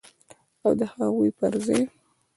او د هغوی پر ځای